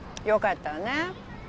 よかったわね。